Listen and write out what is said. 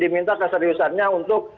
diminta keseriusannya untuk